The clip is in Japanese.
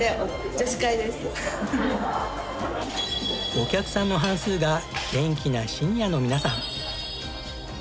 お客さんの半数が元気なシニアの皆さん。